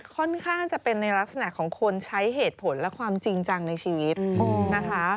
ค่อนข้างจะเป็นในลักษณะของคนใช้เหตุผลและความจริงจังในชีวิตนะคะ